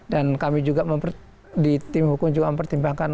dan kami juga di tim hukum juga mempertimbangkan